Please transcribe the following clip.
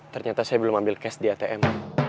ternyata saya belum ambil cash di atm